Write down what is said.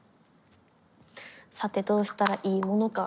さてどうしたらいいものか？